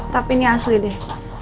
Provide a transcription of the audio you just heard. tapi ini asli deh